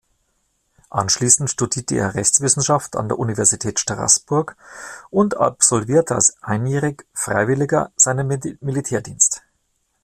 Anschließend studierte er Rechtswissenschaft an der Universität Straßburg und absolvierte als Einjährig-Freiwilliger seinen Militärdienst.